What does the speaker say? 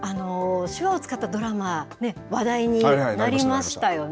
手話を使ったドラマ、話題になりましたよね。